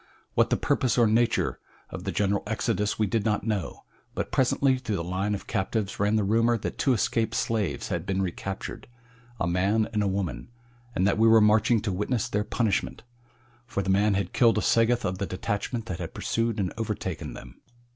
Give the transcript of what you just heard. What the purpose or nature of the general exodus we did not know, but presently through the line of captives ran the rumor that two escaped slaves had been recaptured a man and a woman and that we were marching to witness their punishment, for the man had killed a Sagoth of the detachment that had pursued and overtaken them.